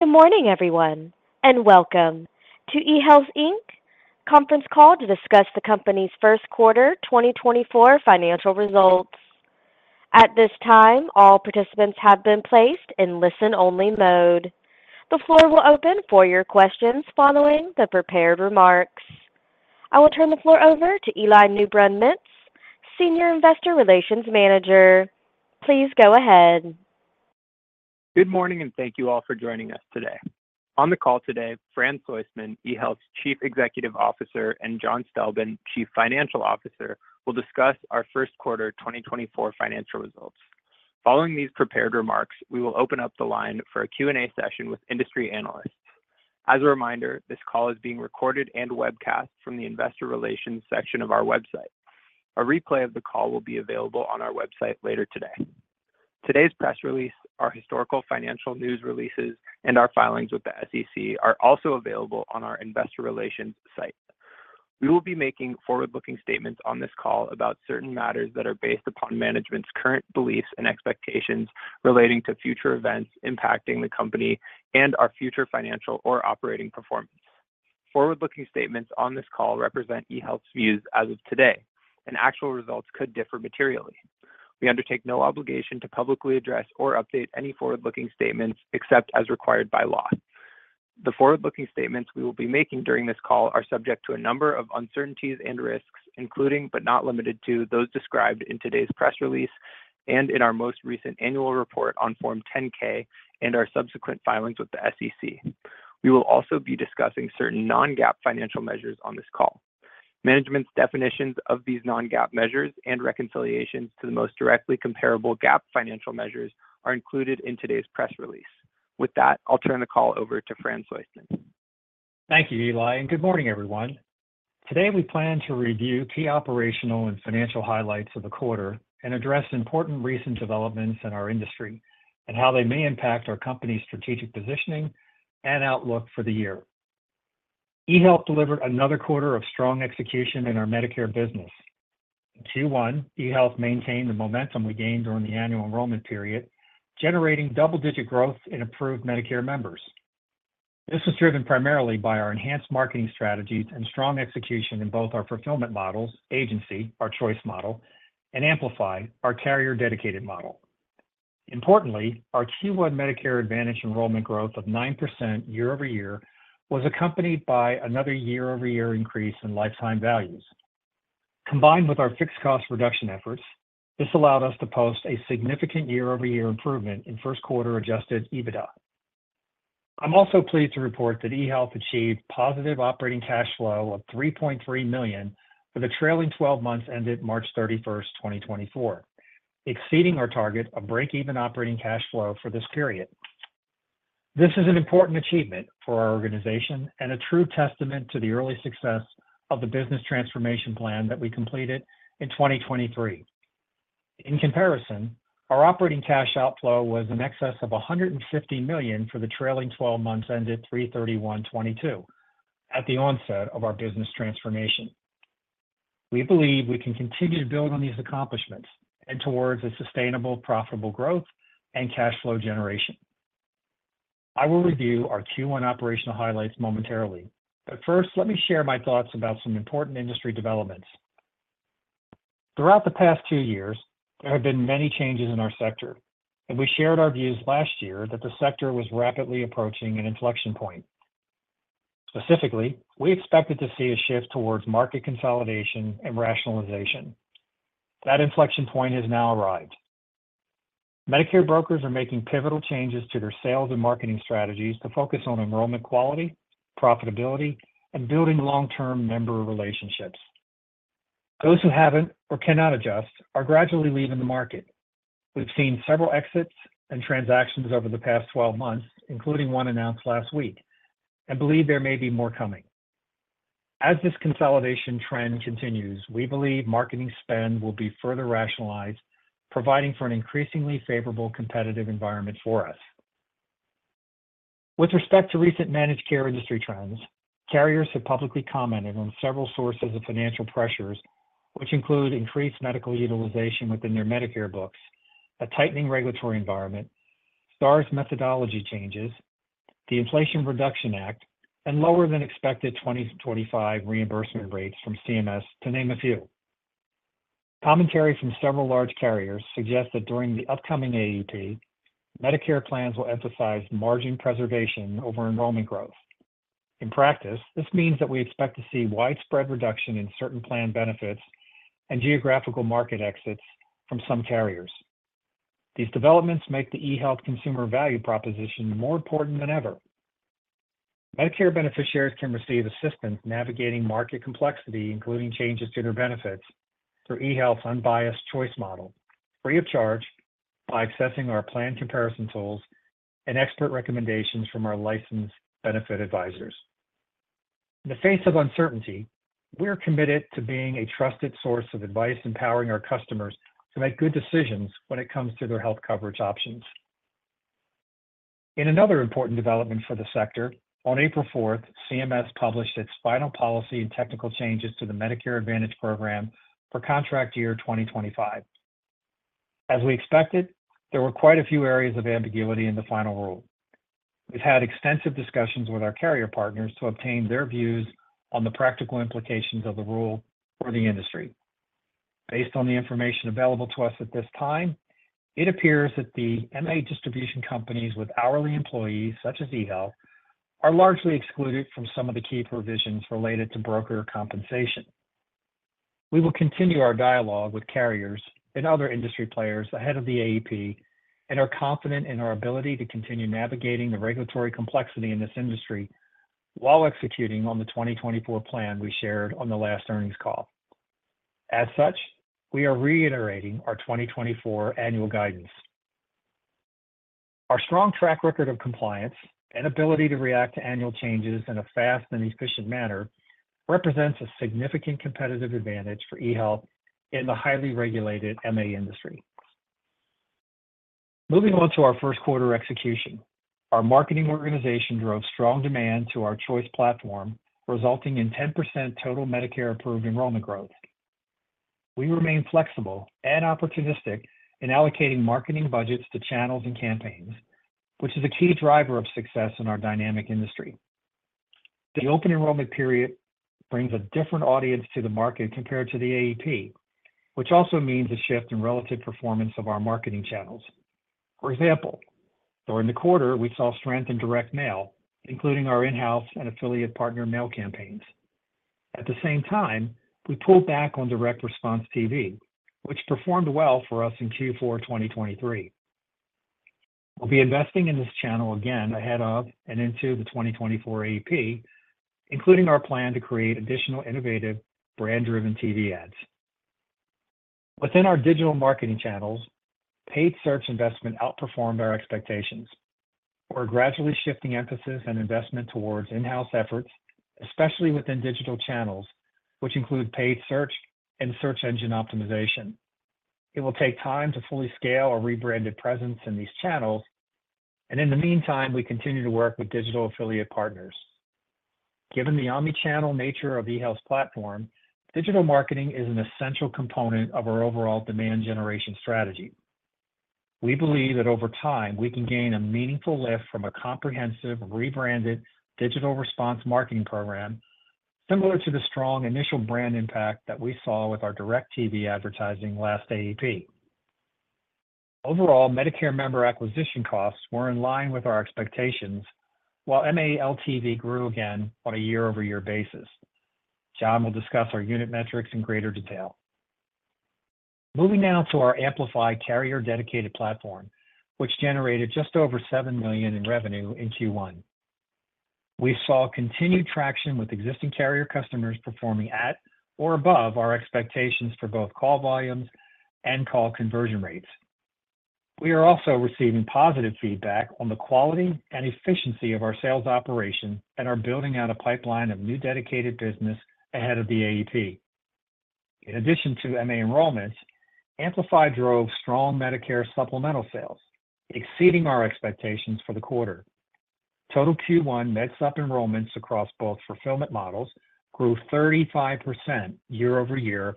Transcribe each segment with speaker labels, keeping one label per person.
Speaker 1: Good morning, everyone, and welcome to eHealth Inc conference call to discuss the company's first quarter 2024 financial results. At this time, all participants have been placed in listen-only mode. The floor will open for your questions following the prepared remarks. I will turn the floor over to Eli Newbrun-Mintz, Senior Investor Relations Manager. Please go ahead.
Speaker 2: Good morning, and thank you all for joining us today. On the call today, Fran Soistman, eHealth's Chief Executive Officer, and John Stelben, Chief Financial Officer, will discuss our first quarter 2024 financial results. Following these prepared remarks, we will open up the line for a Q&A session with industry analysts. As a reminder, this call is being recorded and webcast from the investor relations section of our website. A replay of the call will be available on our website later today. Today's press release, our historical financial news releases, and our filings with the SEC are also available on our investor relations site. We will be making forward-looking statements on this call about certain matters that are based upon management's current beliefs and expectations relating to future events impacting the company and our future financial or operating performance. Forward-looking statements on this call represent eHealth's views as of today, and actual results could differ materially. We undertake no obligation to publicly address or update any forward-looking statements except as required by law. The forward-looking statements we will be making during this call are subject to a number of uncertainties and risks, including, but not limited to, those described in today's press release and in our most recent annual report on Form 10-K and our subsequent filings with the SEC. We will also be discussing certain non-GAAP financial measures on this call. Management's definitions of these non-GAAP measures and reconciliations to the most directly comparable GAAP financial measures are included in today's press release. With that, I'll turn the call over to Fran Soistman.
Speaker 3: Thank you, Eli, and good morning, everyone. Today, we plan to review key operational and financial highlights of the quarter and address important recent developments in our industry and how they may impact our company's strategic positioning and outlook for the year. eHealth delivered another quarter of strong execution in our Medicare business. Q1, eHealth maintained the momentum we gained during the annual enrollment period, generating double-digit growth in approved Medicare members. This was driven primarily by our enhanced marketing strategies and strong execution in both our fulfillment models, agency, our choice model, and Amplify, our carrier-dedicated model. Importantly, our Q1 Medicare Advantage enrollment growth of 9% year-over-year was accompanied by another year-over-year increase in lifetime values. Combined with our fixed cost reduction efforts, this allowed us to post a significant year-over-year improvement in first quarter adjusted EBITDA. I'm also pleased to report that eHealth achieved positive operating cash flow of $3.3 million for the trailing twelve months ended March 31, 2024, exceeding our target of break-even operating cash flow for this period. This is an important achievement for our organization and a true testament to the early success of the business transformation plan that we completed in 2023. In comparison, our operating cash outflow was in excess of $150 million for the trailing twelve months ended March 31, 2022, at the onset of our business transformation. We believe we can continue to build on these accomplishments and towards a sustainable, profitable growth and cash flow generation. I will review our Q1 operational highlights momentarily, but first, let me share my thoughts about some important industry developments. Throughout the past 2 years, there have been many changes in our sector, and we shared our views last year that the sector was rapidly approaching an inflection point. Specifically, we expected to see a shift towards market consolidation and rationalization. That inflection point has now arrived. Medicare brokers are making pivotal changes to their sales and marketing strategies to focus on enrollment, quality, profitability, and building long-term member relationships. Those who haven't or cannot adjust are gradually leaving the market. We've seen several exits and transactions over the past 12 months, including 1 announced last week, and believe there may be more coming. As this consolidation trend continues, we believe marketing spend will be further rationalized, providing for an increasingly favorable competitive environment for us. With respect to recent managed care industry trends, carriers have publicly commented on several sources of financial pressures, which include increased medical utilization within their Medicare books, a tightening regulatory environment, Stars methodology changes, the Inflation Reduction Act, and lower than expected 2025 reimbursement rates from CMS, to name a few. Commentary from several large carriers suggest that during the upcoming AEP, Medicare plans will emphasize margin preservation over enrollment growth. In practice, this means that we expect to see widespread reduction in certain plan benefits and geographical market exits from some carriers. These developments make the eHealth consumer value proposition more important than ever. Medicare beneficiaries can receive assistance navigating market complexity, including changes to their benefits, through eHealth's unbiased choice model, free of charge by accessing our plan comparison tools and expert recommendations from our licensed benefit advisors. In the face of uncertainty, we're committed to being a trusted source of advice, empowering our customers to make good decisions when it comes to their health coverage options. In another important development for the sector, on April fourth, CMS published its final policy and technical changes to the Medicare Advantage program for contract year 2025.... As we expected, there were quite a few areas of ambiguity in the final rule. We've had extensive discussions with our carrier partners to obtain their views on the practical implications of the rule for the industry. Based on the information available to us at this time, it appears that the MA distribution companies with hourly employees, such as eHealth, are largely excluded from some of the key provisions related to broker compensation. We will continue our dialogue with carriers and other industry players ahead of the AEP, and are confident in our ability to continue navigating the regulatory complexity in this industry while executing on the 2024 plan we shared on the last earnings call. As such, we are reiterating our 2024 annual guidance. Our strong track record of compliance and ability to react to annual changes in a fast and efficient manner represents a significant competitive advantage for eHealth in the highly regulated MA industry. Moving on to our first quarter execution. Our marketing organization drove strong demand to our choice platform, resulting in 10% total Medicare-approved enrollment growth. We remain flexible and opportunistic in allocating marketing budgets to channels and campaigns, which is a key driver of success in our dynamic industry. The open enrollment period brings a different audience to the market compared to the AEP, which also means a shift in relative performance of our marketing channels. For example, during the quarter, we saw strength in direct mail, including our in-house and affiliate partner mail campaigns. At the same time, we pulled back on direct response TV, which performed well for us in Q4 2023. We'll be investing in this channel again ahead of and into the 2024 AEP, including our plan to create additional innovative, brand-driven TV ads. Within our digital marketing channels, paid search investment outperformed our expectations. We're gradually shifting emphasis and investment towards in-house efforts, especially within digital channels, which include paid search and search engine optimization. It will take time to fully scale our rebranded presence in these channels, and in the meantime, we continue to work with digital affiliate partners. Given the omni-channel nature of eHealth's platform, digital marketing is an essential component of our overall demand generation strategy. We believe that over time, we can gain a meaningful lift from a comprehensive, rebranded digital response marketing program, similar to the strong initial brand impact that we saw with our direct TV advertising last AEP. Overall, Medicare member acquisition costs were in line with our expectations, while MA LTV grew again on a year-over-year basis. John will discuss our unit metrics in greater detail. Moving now to our Amplify carrier-dedicated platform, which generated just over $7 million in revenue in Q1. We saw continued traction with existing carrier customers performing at or above our expectations for both call volumes and call conversion rates. We are also receiving positive feedback on the quality and efficiency of our sales operation and are building out a pipeline of new dedicated business ahead of the AEP. In addition to MA enrollments, Amplify drove strong Medicare supplemental sales, exceeding our expectations for the quarter. Total Q1 Med Supp enrollments across both fulfillment models grew 35% year-over-year,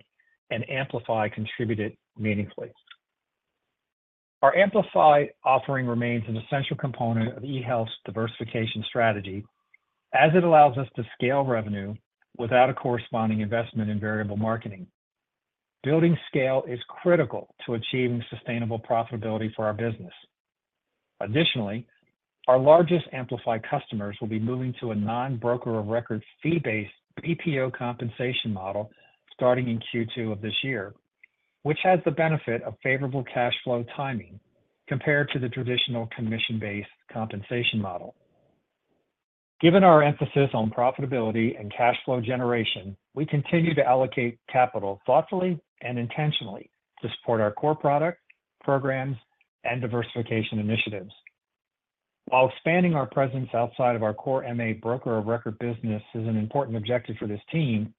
Speaker 3: and Amplify contributed meaningfully. Our Amplify offering remains an essential component of eHealth's diversification strategy, as it allows us to scale revenue without a corresponding investment in variable marketing. Building scale is critical to achieving sustainable profitability for our business. Additionally, our largest Amplify customers will be moving to a non-broker of record fee-based BPO compensation model starting in Q2 of this year, which has the benefit of favorable cash flow timing compared to the traditional commission-based compensation model. Given our emphasis on profitability and cash flow generation, we continue to allocate capital thoughtfully and intentionally to support our core product, programs, and diversification initiatives. While expanding our presence outside of our core MA broker of record business is an important objective for this team,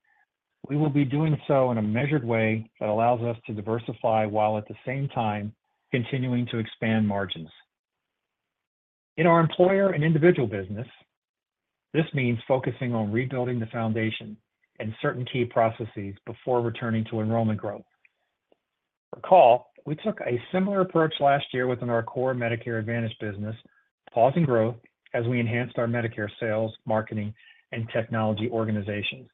Speaker 3: we will be doing so in a measured way that allows us to diversify while at the same time continuing to expand margins. In our employer and individual business, this means focusing on rebuilding the foundation and certain key processes before returning to enrollment growth. Recall, we took a similar approach last year within our core Medicare Advantage business, pausing growth as we enhanced our Medicare sales, marketing, and technology organizations,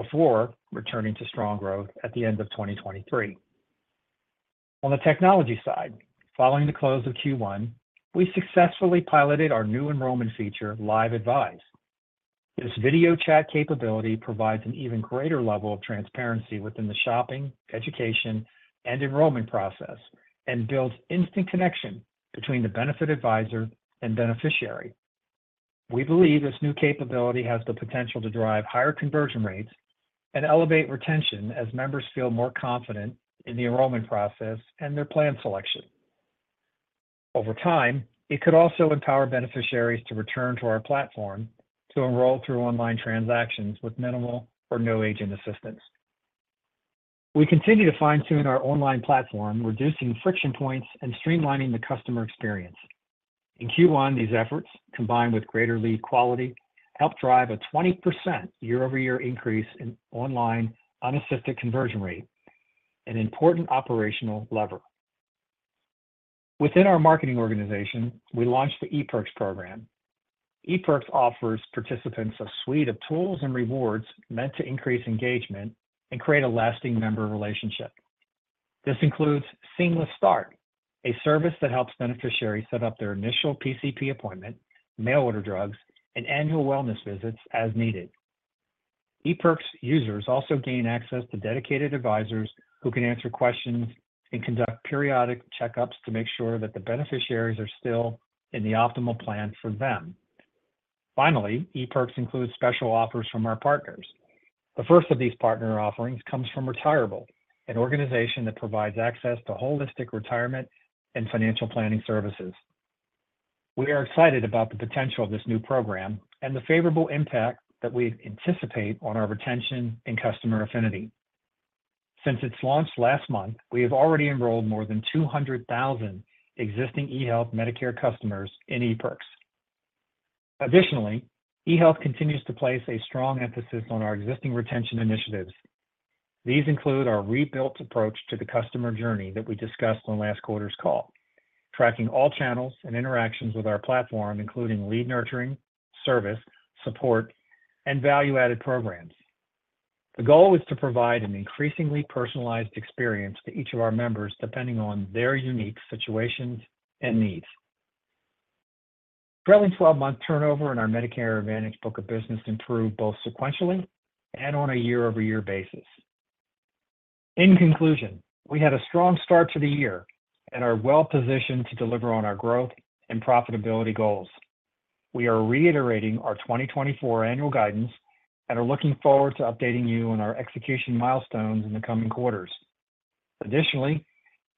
Speaker 3: before returning to strong growth at the end of 2023. On the technology side, following the close of Q1, we successfully piloted our new enrollment feature, Live Advise. This video chat capability provides an even greater level of transparency within the shopping, education, and enrollment process, and builds instant connection between the benefit advisor and beneficiary. We believe this new capability has the potential to drive higher conversion rates and elevate retention as members feel more confident in the enrollment process and their plan selection. Over time, it could also empower beneficiaries to return to our platform to enroll through online transactions with minimal or no agent assistance. We continue to fine-tune our online platform, reducing friction points and streamlining the customer experience. In Q1, these efforts, combined with greater lead quality, helped drive a 20% year-over-year increase in online unassisted conversion rate, an important operational lever. Within our marketing organization, we launched the ePerks program. ePerks offers participants a suite of tools and rewards meant to increase engagement and create a lasting member relationship. This includes Seamless Start, a service that helps beneficiaries set up their initial PCP appointment, mail-order drugs, and annual wellness visits as needed. ePerks users also gain access to dedicated advisors who can answer questions and conduct periodic checkups to make sure that the beneficiaries are still in the optimal plan for them. Finally, ePerks includes special offers from our partners. The first of these partner offerings comes from Retirable, an organization that provides access to holistic retirement and financial planning services. We are excited about the potential of this new program and the favorable impact that we anticipate on our retention and customer affinity. Since its launch last month, we have already enrolled more than 200,000 existing eHealth Medicare customers in ePerks. Additionally, eHealth continues to place a strong emphasis on our existing retention initiatives. These include our rebuilt approach to the customer journey that we discussed on last quarter's call, tracking all channels and interactions with our platform, including lead nurturing, service, support, and value-added programs. The goal is to provide an increasingly personalized experience to each of our members, depending on their unique situations and needs. Trailing 12-month turnover in our Medicare Advantage book of business improved both sequentially and on a year-over-year basis. In conclusion, we had a strong start to the year and are well positioned to deliver on our growth and profitability goals. We are reiterating our 2024 annual guidance and are looking forward to updating you on our execution milestones in the coming quarters. Additionally,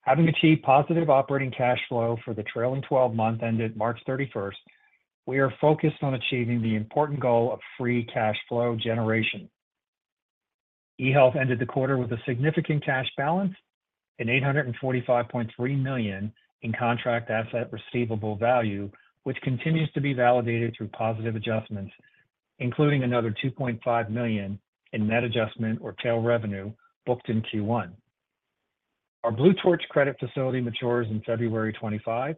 Speaker 3: having achieved positive operating cash flow for the trailing 12-month ended March 31, we are focused on achieving the important goal of free cash flow generation. eHealth ended the quarter with a significant cash balance and $845.3 million in contract asset receivable value, which continues to be validated through positive adjustments, including another $2.5 million in net adjustment or tail revenue booked in Q1. Our Blue Torch credit facility matures in February 2025.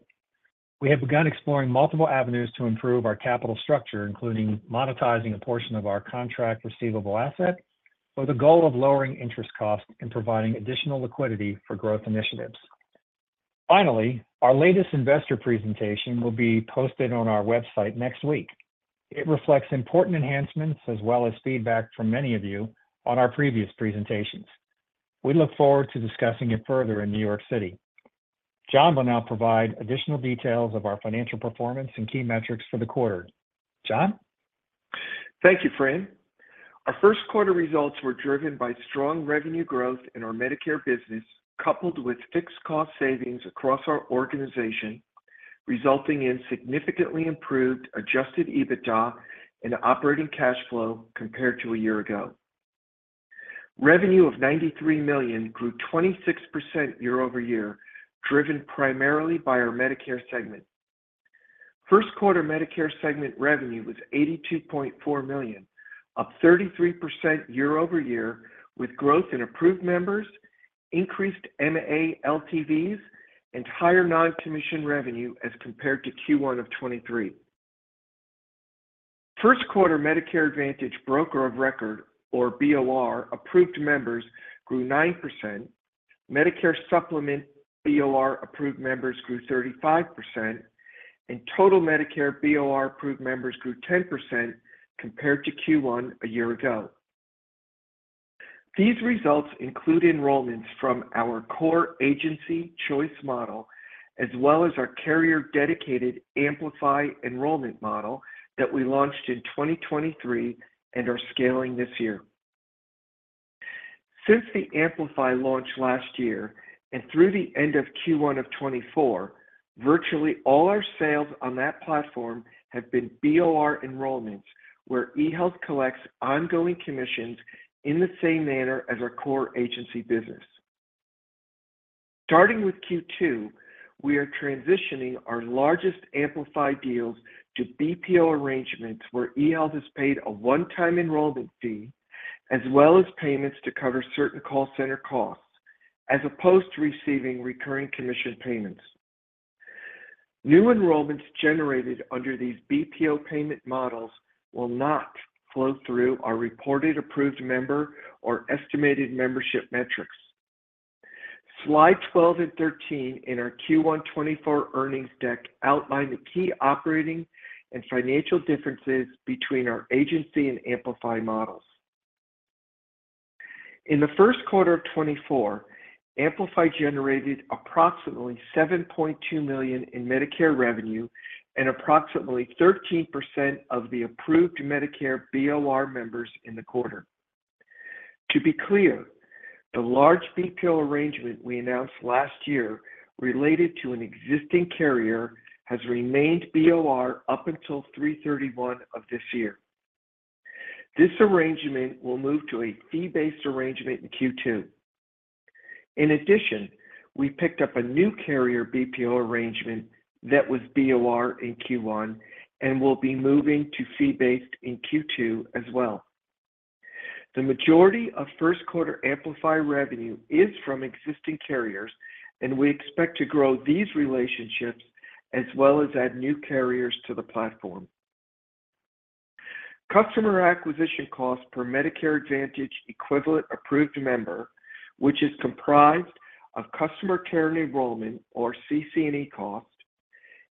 Speaker 3: We have begun exploring multiple avenues to improve our capital structure, including monetizing a portion of our contract receivable asset, with the goal of lowering interest costs and providing additional liquidity for growth initiatives. Finally, our latest investor presentation will be posted on our website next week. It reflects important enhancements as well as feedback from many of you on our previous presentations. We look forward to discussing it further in New York City. John will now provide additional details of our financial performance and key metrics for the quarter. John?
Speaker 4: Thank you, Fran. Our first quarter results were driven by strong revenue growth in our Medicare business, coupled with fixed cost savings across our organization, resulting in significantly improved adjusted EBITDA and operating cash flow compared to a year ago. Revenue of $93 million grew 26% year-over-year, driven primarily by our Medicare segment. First quarter Medicare segment revenue was $82.4 million, up 33% year-over-year, with growth in approved members, increased MA LTVs, and higher non-commission revenue as compared to Q1 of 2023. First quarter Medicare Advantage Broker of Record, or BOR, approved members grew 9%, Medicare Supplement BOR approved members grew 35%, and total Medicare BOR approved members grew 10% compared to Q1 a year ago. These results include enrollments from our core agency choice model, as well as our carrier-dedicated Amplify enrollment model that we launched in 2023 and are scaling this year. Since the Amplify launch last year and through the end of Q1 of 2024, virtually all our sales on that platform have been BOR enrollments, where eHealth collects ongoing commissions in the same manner as our core agency business. Starting with Q2, we are transitioning our largest Amplify deals to BPO arrangements, where eHealth is paid a one-time enrollment fee, as well as payments to cover certain call center costs, as opposed to receiving recurring commission payments. New enrollments generated under these BPO payment models will not flow through our reported approved member or estimated membership metrics. Slide 12 and 13 in our Q1 2024 earnings deck outline the key operating and financial differences between our agency and Amplify models. In the first quarter of 2024, Amplify generated approximately $7.2 million in Medicare revenue and approximately 13% of the approved Medicare BOR members in the quarter. To be clear, the large BPO arrangement we announced last year related to an existing carrier has remained BOR up until 3/31 of this year. This arrangement will move to a fee-based arrangement in Q2. In addition, we picked up a new carrier BPO arrangement that was BOR in Q1, and will be moving to fee-based in Q2 as well. The majority of first quarter Amplify revenue is from existing carriers, and we expect to grow these relationships as well as add new carriers to the platform. Customer acquisition costs per Medicare Advantage equivalent approved member, which is comprised of customer care and enrollment, or CC&E cost,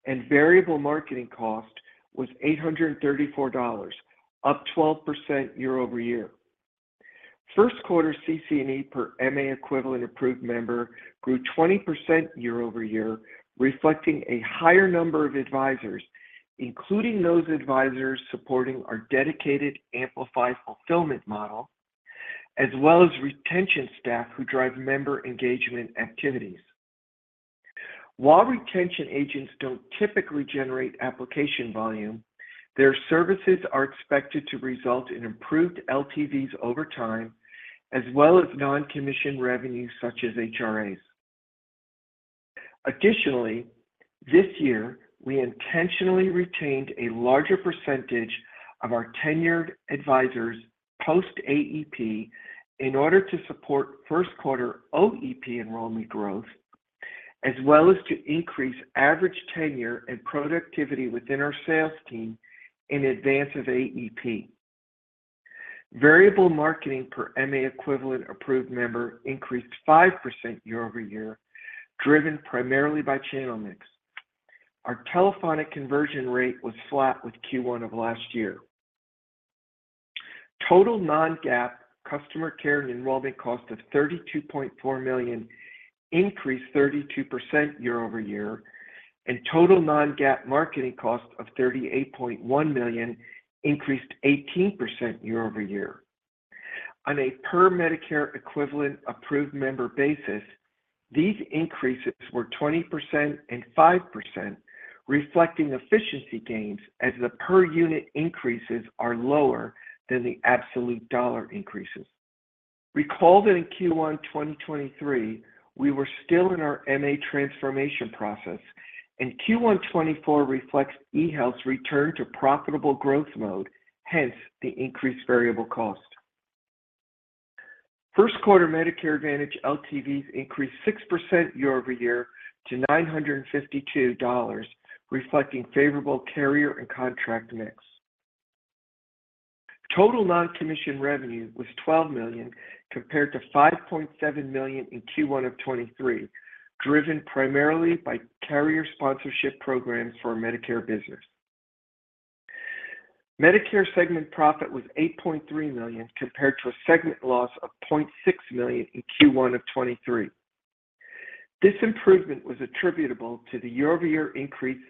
Speaker 4: and variable marketing cost, was $834, up 12% year-over-year. First quarter CC&E per MA equivalent approved member grew 20% year-over-year, reflecting a higher number of advisors, including those advisors supporting our dedicated Amplify fulfillment model, as well as retention staff who drive member engagement activities. While retention agents don't typically generate application volume, their services are expected to result in improved LTVs over time, as well as non-commission revenue, such as HRAs. Additionally, this year, we intentionally retained a larger percentage of our tenured advisors post-AEP in order to support first quarter OEP enrollment growth, as well as to increase average tenure and productivity within our sales team in advance of AEP. Variable marketing per MA equivalent approved member increased 5% year-over-year, driven primarily by channel mix. Our telephonic conversion rate was flat with Q1 of last year. Total non-GAAP customer care and enrollment cost of $32.4 million increased 32% year-over-year, and total non-GAAP marketing cost of $38.1 million increased 18% year-over-year. On a per Medicare equivalent approved member basis, these increases were 20% and 5%, reflecting efficiency gains, as the per unit increases are lower than the absolute dollar increases. Recall that in Q1 2023, we were still in our MA transformation process, and Q1 2024 reflects eHealth's return to profitable growth mode, hence the increased variable cost. First quarter Medicare Advantage LTVs increased 6% year-over-year to $952, reflecting favorable carrier and contract mix. Total non-commission revenue was $12 million, compared to $5.7 million in Q1 of 2023, driven primarily by carrier sponsorship programs for our Medicare business. Medicare segment profit was $8.3 million, compared to a segment loss of $0.6 million in Q1 of 2023. This improvement was attributable to the year-over-year increase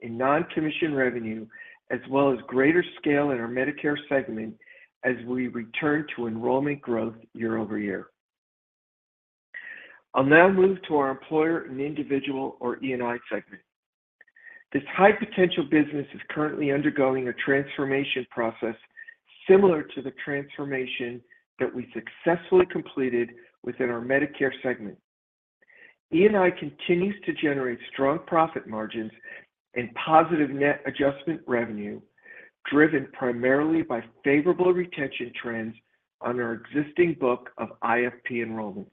Speaker 4: in non-commission revenue, as well as greater scale in our Medicare segment as we return to enrollment growth year over year. I'll now move to our employer and individual, or E&I, segment. This high-potential business is currently undergoing a transformation process similar to the transformation that we successfully completed within our Medicare segment. E&I continues to generate strong profit margins and positive net adjustment revenue, driven primarily by favorable retention trends on our existing book of IFP enrollments.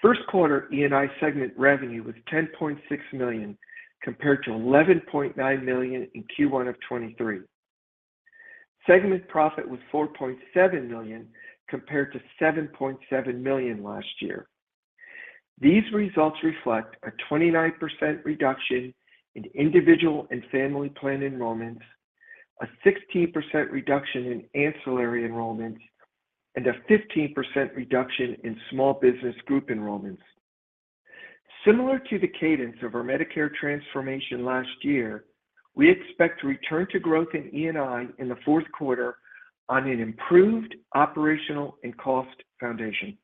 Speaker 4: First quarter E&I segment revenue was $10.6 million, compared to $11.9 million in Q1 of 2023. Segment profit was $4.7 million, compared to $7.7 million last year. These results reflect a 29% reduction in individual and family plan enrollments, a 16% reduction in ancillary enrollments, and a 15% reduction in small business group enrollments. Similar to the cadence of our Medicare transformation last year, we expect to return to growth in E&I in the fourth quarter on an improved operational and cost foundation.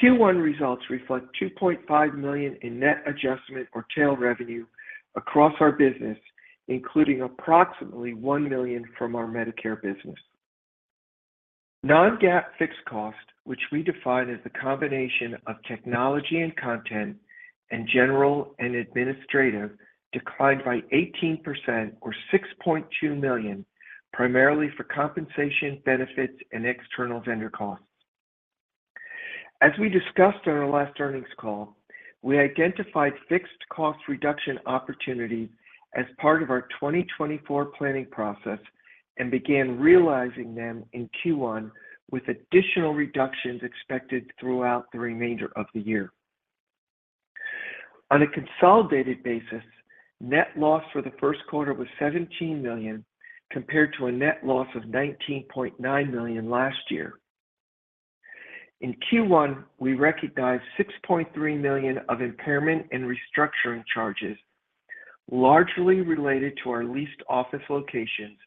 Speaker 4: Q1 results reflect $2.5 million in net adjustment or tail revenue across our business, including approximately $1 million from our Medicare business. Non-GAAP fixed cost, which we define as the combination of technology and content, and general and administrative, declined by 18% or $6.2 million, primarily for compensation, benefits, and external vendor costs. As we discussed on our last earnings call, we identified fixed cost reduction opportunities as part of our 2024 planning process and began realizing them in Q1, with additional reductions expected throughout the remainder of the year. On a consolidated basis, net loss for the first quarter was $17 million, compared to a net loss of $19.9 million last year. In Q1, we recognized $6.3 million of impairment and restructuring charges, largely related to our leased office locations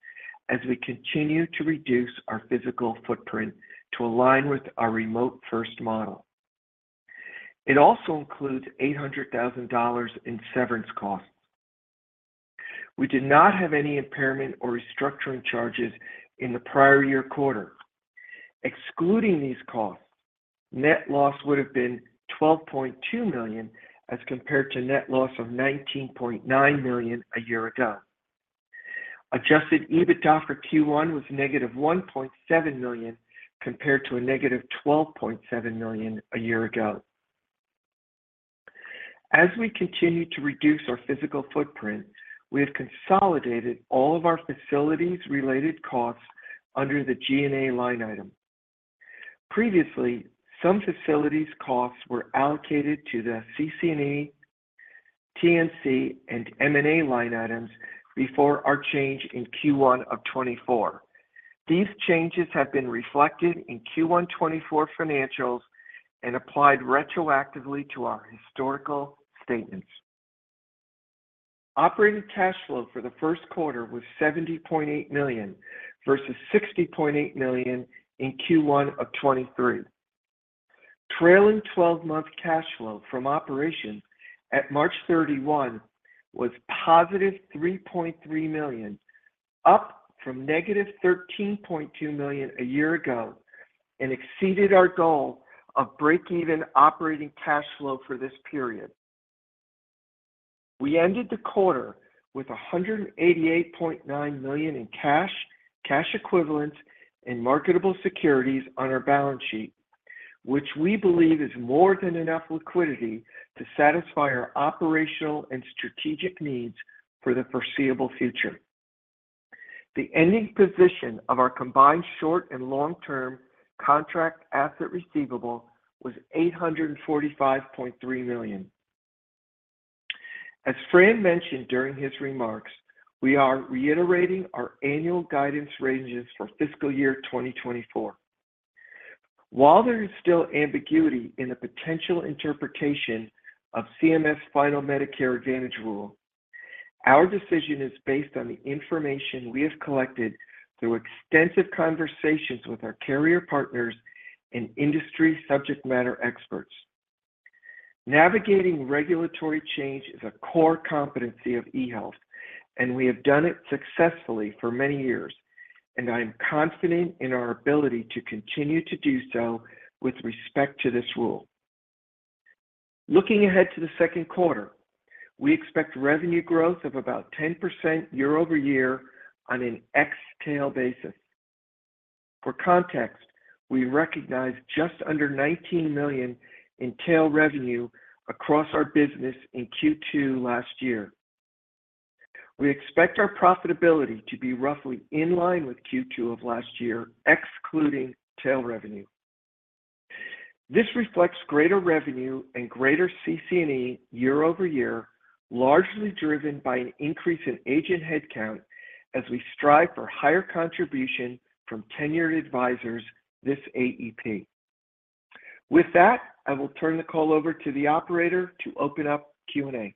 Speaker 4: as we continue to reduce our physical footprint to align with our remote-first model. It also includes $800,000 in severance costs. We did not have any impairment or restructuring charges in the prior year quarter. Excluding these costs, net loss would have been $12.2 million, as compared to net loss of $19.9 million a year ago. Adjusted EBITDA for Q1 was negative $1.7 million, compared to a negative $12.7 million a year ago. As we continue to reduce our physical footprint, we have consolidated all of our facilities-related costs under the G&A line item. Previously, some facilities costs were allocated to the CC&E, TC, and M&A line items before our change in Q1 of 2024. These changes have been reflected in Q1 2024 financials and applied retroactively to our historical statements. Operating cash flow for the first quarter was $70.8 million, versus $60.8 million in Q1 of 2023. Trailing twelve-month cash flow from operations at March 31 was positive $3.3 million, up from negative $13.2 million a year ago, and exceeded our goal of break-even operating cash flow for this period. We ended the quarter with $188.9 million in cash, cash equivalents, and marketable securities on our balance sheet, which we believe is more than enough liquidity to satisfy our operational and strategic needs for the foreseeable future. The ending position of our combined short- and long-term contract asset receivable was $845.3 million. As Fran mentioned during his remarks, we are reiterating our annual guidance ranges for fiscal year 2024. While there is still ambiguity in the potential interpretation of CMS final Medicare Advantage rule, our decision is based on the information we have collected through extensive conversations with our carrier partners and industry subject matter experts. Navigating regulatory change is a core competency of eHealth, and we have done it successfully for many years, and I am confident in our ability to continue to do so with respect to this rule. Looking ahead to the second quarter, we expect revenue growth of about 10% year-over-year on an ex-tail basis. For context, we recognize just under $19 million in tail revenue across our business in Q2 last year. We expect our profitability to be roughly in line with Q2 of last year, excluding tail revenue. This reflects greater revenue and greater CC&E year-over-year, largely driven by an increase in agent headcount as we strive for higher contribution from tenured advisors this AEP. With that, I will turn the call over to the operator to open up Q&A.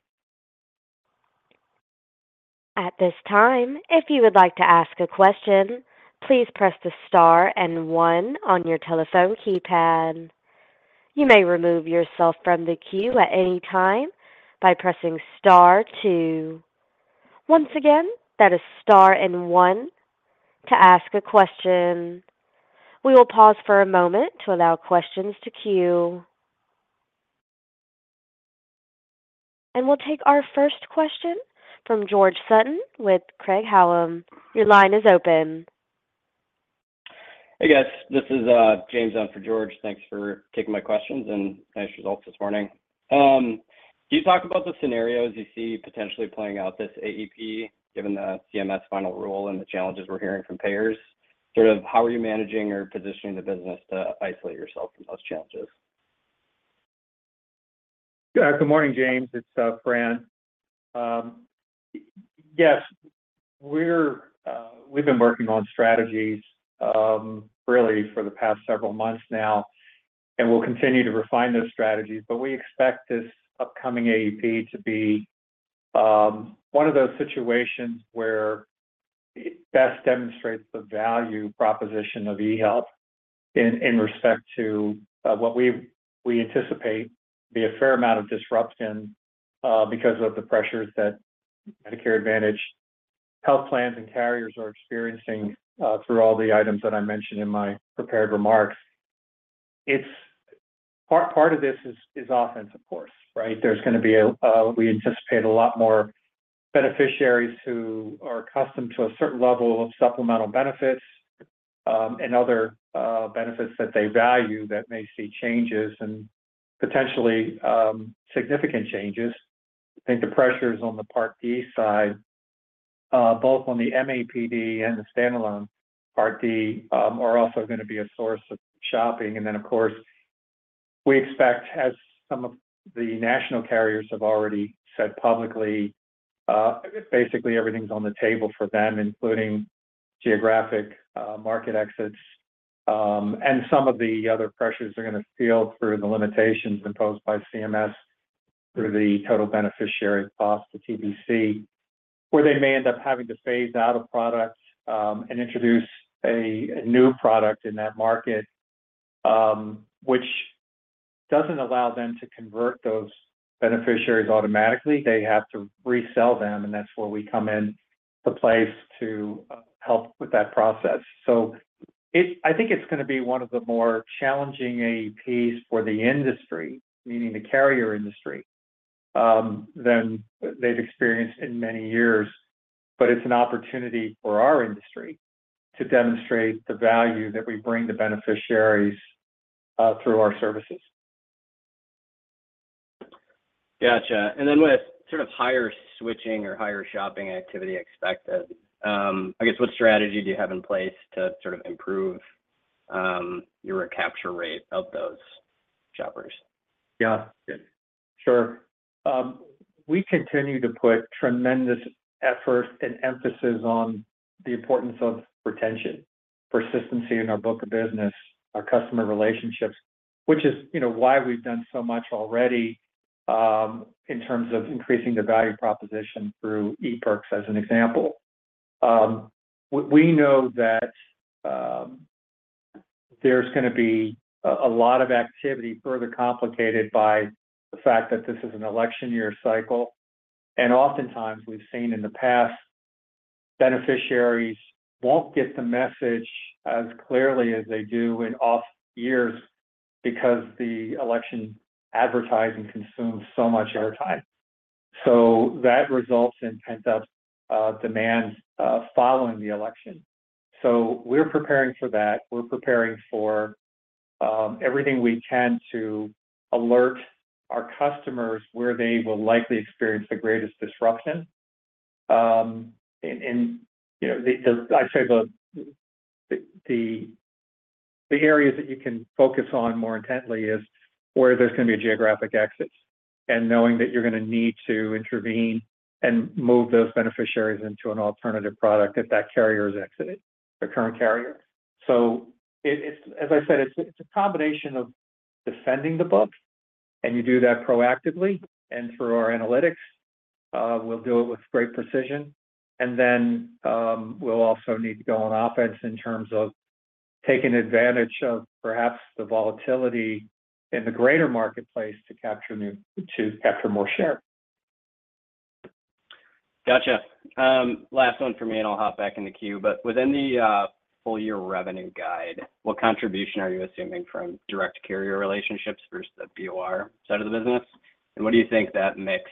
Speaker 1: At this time, if you would like to ask a question, please press the star and one on your telephone keypad. You may remove yourself from the queue at any time by pressing star two. Once again, that is star and one to ask a question. We will pause for a moment to allow questions to queue. We'll take our first question from George Sutton with Craig-Hallum. Your line is open.
Speaker 5: Hey, guys. This is James in for George. Thanks for taking my questions, and nice results this morning. Can you talk about the scenarios you see potentially playing out this AEP, given the CMS final rule and the challenges we're hearing from payers? Sort of, how are you managing or positioning the business to isolate yourself from those challenges?
Speaker 3: Good morning, James. It's Fran. Yes, we've been working on strategies really for the past several months now, and we'll continue to refine those strategies, but we expect this upcoming AEP to be one of those situations where it best demonstrates the value proposition of eHealth in respect to what we anticipate to be a fair amount of disruption because of the pressures that Medicare Advantage health plans and carriers are experiencing through all the items that I mentioned in my prepared remarks. It's part of this is offense, of course, right? There's gonna be, we anticipate a lot more beneficiaries who are accustomed to a certain level of supplemental benefits and other benefits that they value that may see changes and potentially significant changes. I think the pressures on the Part D side, both on the MAPD and the standalone Part D, are also gonna be a source of shopping. And then, of course, we expect, as some of the national carriers have already said publicly, basically everything's on the table for them, including geographic market exits, and some of the other pressures they're gonna feel through the limitations imposed by CMS for the total beneficiary cost, the TBC, where they may end up having to phase out a product, and introduce a new product in that market, which doesn't allow them to convert those beneficiaries automatically. They have to resell them, and that's where we come in to place to help with that process. I think it's gonna be one of the more challenging APs for the industry, meaning the carrier industry, than they've experienced in many years. But it's an opportunity for our industry to demonstrate the value that we bring to beneficiaries, through our services.
Speaker 5: Gotcha. And then with sort of higher switching or higher shopping activity expected, I guess, what strategy do you have in place to sort of improve your recapture rate of those shoppers?
Speaker 3: Yeah. Sure. We continue to put tremendous effort and emphasis on the importance of retention, persistency in our book of business, our customer relationships, which is, you know, why we've done so much already, in terms of increasing the value proposition through ePerks, as an example. We know that, there's gonna be a lot of activity further complicated by the fact that this is an election year cycle, and oftentimes, we've seen in the past, beneficiaries won't get the message as clearly as they do in off years because the election advertising consumes so much airtime. So that results in pent-up demand following the election. So we're preparing for that. We're preparing for everything we can to alert our customers where they will likely experience the greatest disruption. You know, I'd say the areas that you can focus on more intently is where there's gonna be a geographic exit, and knowing that you're gonna need to intervene and move those beneficiaries into an alternative product if that carrier is exiting, the current carrier. So it's, as I said, a combination of defending the book, and you do that proactively, and through our analytics, we'll do it with great precision. And then, we'll also need to go on offense in terms of taking advantage of perhaps the volatility in the greater marketplace to capture more share.
Speaker 5: Gotcha. Last one for me, and I'll hop back in the queue. But within the full year revenue guide, what contribution are you assuming from direct carrier relationships versus the BOR side of the business? And what do you think that mix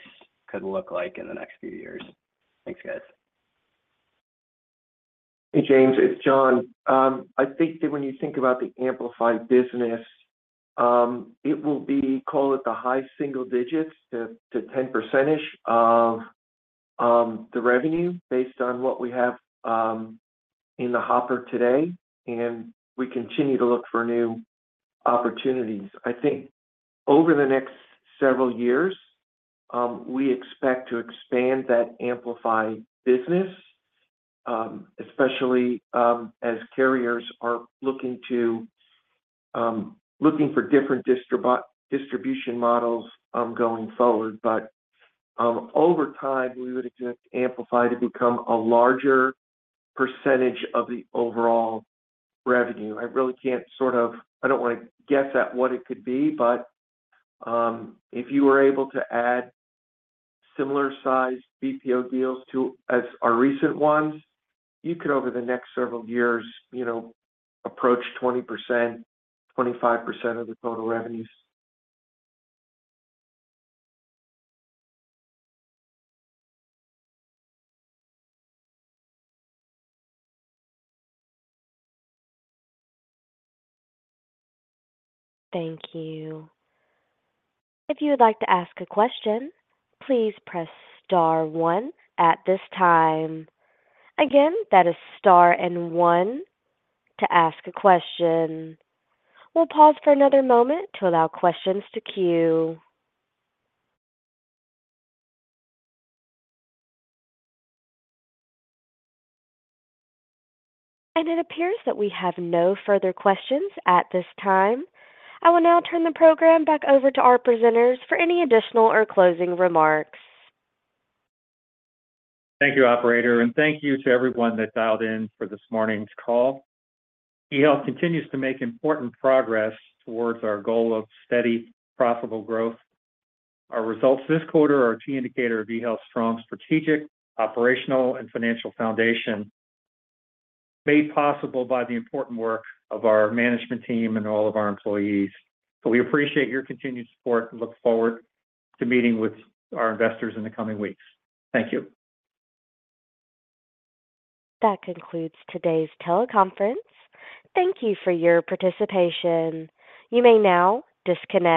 Speaker 5: could look like in the next few years? Thanks, guys.
Speaker 4: Hey, James, it's John. I think that when you think about the Amplify business, it will be, call it, the high single digits to 10% of the revenue, based on what we have in the hopper today, and we continue to look for new opportunities. I think over the next several years, we expect to expand that Amplify business, especially as carriers are looking for different distribution models going forward. But over time, we would expect Amplify to become a larger percentage of the overall revenue. I really can't sort of... I don't want to guess at what it could be, but if you were able to add similar-sized BPO deals to as our recent ones, you could, over the next several years, you know, approach 20%, 25% of the total revenues.
Speaker 1: Thank you. If you would like to ask a question, please press star one at this time. Again, that is star and one to ask a question. We'll pause for another moment to allow questions to queue. It appears that we have no further questions at this time. I will now turn the program back over to our presenters for any additional or closing remarks.
Speaker 3: Thank you, operator, and thank you to everyone that dialed in for this morning's call. eHealth continues to make important progress towards our goal of steady, profitable growth. Our results this quarter are a key indicator of eHealth's strong strategic, operational, and financial foundation, made possible by the important work of our management team and all of our employees. So we appreciate your continued support and look forward to meeting with our investors in the coming weeks. Thank you.
Speaker 1: That concludes today's teleconference. Thank you for your participation. You may now disconnect.